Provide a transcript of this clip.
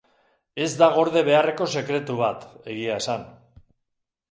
Ez da gorde beharreko sekretu bat, egia esan.